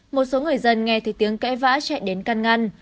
một số người dân nghe thấy tiếng cãi vã chạy đến căn ngăn